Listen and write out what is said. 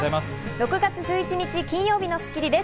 ６月１１日、金曜日の『スッキリ』です。